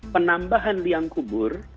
penambahan liang kubur